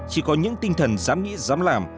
chỉ có những tinh thần dám nghĩ dám làm